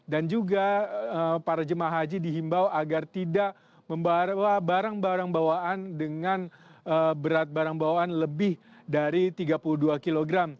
dan juga para jemaah haji dihimbau agar tidak membawa barang barang bawaan dengan berat barang bawaan lebih dari tiga puluh dua kg